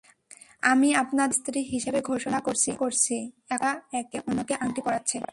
আমি আপনাদের স্বামী-স্ত্রী হিসাবে ঘোষণা করছি এখন ওরা একে অন্যকে আংটি পরাচ্ছে।